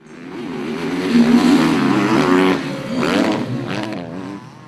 ini kkray brigan